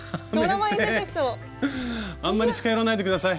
あんまり近寄らないで下さい！